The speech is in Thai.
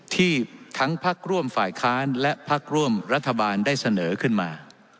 ที่ทั้งพักร่วมฝ่ายค้านและพักร่วมรัฐบาลได้เสนอขึ้นมา